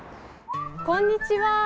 こんにちは。